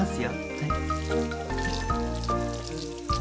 はい。